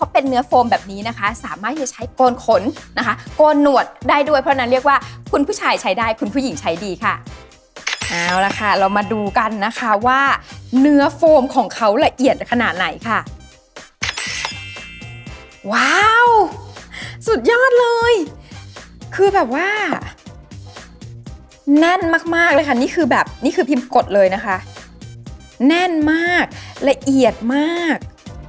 เพราะฉะนั้นเรียกว่าคุณผู้ชายใช้ได้คุณผู้หญิงใช้ดีค่ะเอาละค่ะเรามาดูกันนะคะว่าเนื้อโฟมของเขาละเอียดขนาดไหนค่ะสุดยอดเลยคือแบบว่าแน่นมากมากเลยค่ะนี่คือแบบนี่คือพิมพ์กดเลยนะคะแน่นมากละเอียดมาก